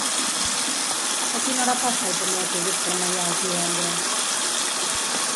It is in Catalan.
A quina hora passa el primer autobús per Maials divendres?